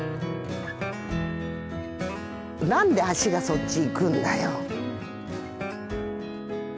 何で足がそっち行くんだよ。